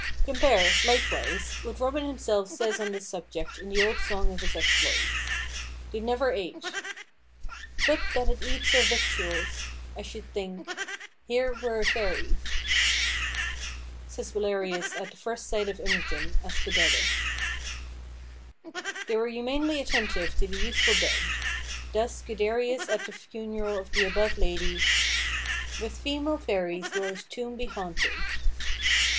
Compare, likewise, what Robin himself says on this subject in the old song of his exploits. They never ate— "But that it eats our victuals, I should think, Here were a fairy," says Belarius at the first sight of Imogen, as Fidele. They were humanely attentive to the youthful dead. Thus Guiderius at the funeral of the above lady— "With female fairies will his tomb be haunted."